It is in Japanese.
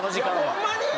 ホンマに？